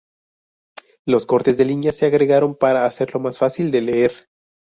Los cortes de línea se agregaron para hacerlo más fácil de leer.